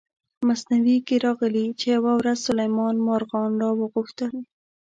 مثنوي کې راغلي چې یوه ورځ سلیمان مارغان را وغوښتل.